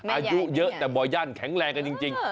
อายุเยอะแต่บ่อยั่นแข็งแรงกันจริง